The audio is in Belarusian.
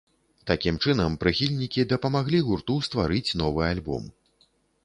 Такім чынам прыхільнікі дапамаглі гурту стварыць новы альбом.